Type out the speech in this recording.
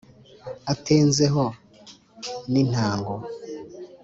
atenze ho n’intango.